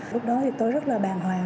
lúc đó thì tôi rất là bàn hoàng